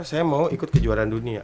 saya mau ikut kejuaraan dunia